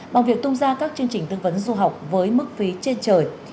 bằng việc tung ra các chương trình tư vấn du học với mức phí trên trời